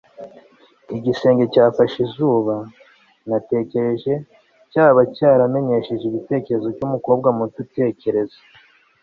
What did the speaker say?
igisenge cyafashe izuba, natekereje, cyaba cyaramenyesheje igitekerezo cyumukobwa muto utekereza